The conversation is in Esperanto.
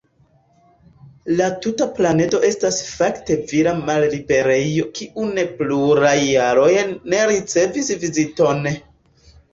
La tuta planedo estas fakte vira malliberejo kiu de pluraj jaroj ne ricevis viziton.